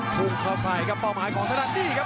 ภูมิเขาใส่ครับเป้าหมายของสถานีครับ